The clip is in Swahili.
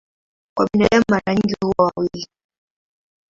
Kwa binadamu mara nyingi huwa wawili.